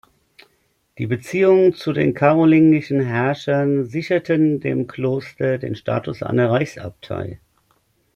Die Beziehungen zu den karolingischen Herrschern sicherten dem Kloster den Status einer Reichsabtei.